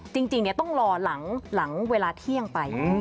จริงต้องรอหลังเวลาเที่ยงไป